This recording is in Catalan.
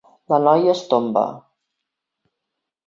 La noia es tomba.